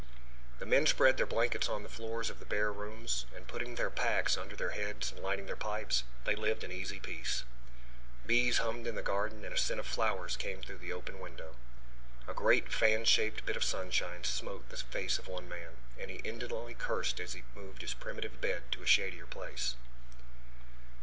The men spread their blankets on the floors of the bare rooms, and putting their packs under their heads and lighting their pipes, they lived an easy peace. Bees hummed in the garden, and a scent of flowers came through the open window. A great fan shaped bit of sunshine smote the face of one man, and he indolently cursed as he moved his primitive bed to a shadier place.